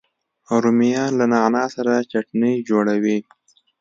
رومیان له نعنا سره چټني جوړوي